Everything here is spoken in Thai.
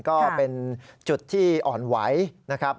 ก็เป็นจุดที่อ่อนไหวนะครับ